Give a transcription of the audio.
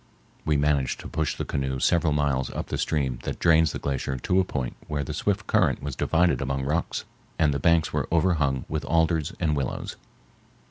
We managed to push the canoe several miles up the stream that drains the glacier to a point where the swift current was divided among rocks and the banks were overhung with alders and willows.